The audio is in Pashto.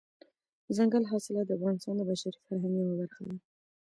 دځنګل حاصلات د افغانستان د بشري فرهنګ یوه برخه ده.